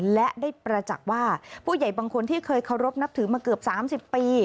และได้ประจักษ์ว่าผู้ใหญ่บางคนที่เคยเคารพนับถือมาเกือบ๓๐ปี